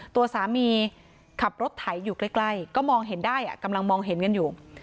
ตัวสามีขับรถไถอยู่ใกล้ก็มองเห็นได้กำลังมองเห็นกันอยู่